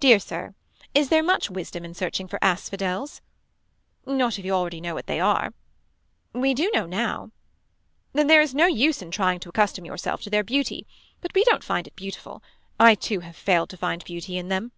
Dear Sir. Is there much wisdom in searching for asphodels. Not if you already know what they are. We do know now. Then there is no use in trying to accustom yourself to their beauty. But we don't find it beautiful. I too have failed to find beauty in them.